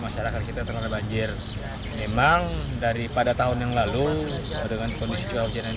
masyarakat kita terhadap banjir memang daripada tahun yang lalu dengan kondisi curah hujan yang